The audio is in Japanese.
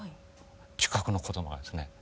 近くの子供がですね。